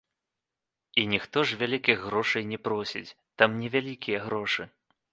І ніхто ж вялікіх грошай не просіць, там невялікія грошы.